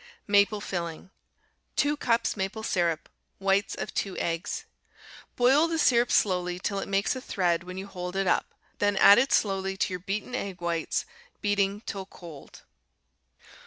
Maple Filling 2 cups maple syrup. Whites of 2 eggs. Boil the syrup slowly till it makes a thread when you hold it up; then add it slowly to your beaten egg whites, beating till cold.